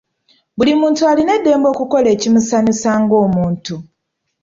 Buli muntu alina eddembe okukola ekimusanyusa ng’omuntu.